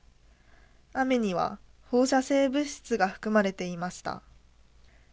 雨には放射性物質が含まれていました。